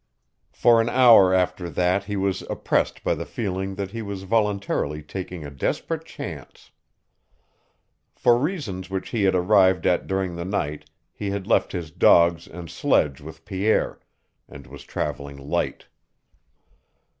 For an hour after that he was oppressed by the feeling that he was voluntarily taking a desperate chance. For reasons which he had arrived at during the night he had left his dogs and sledge with Pierre, and was traveling light.